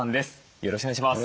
よろしくお願いします。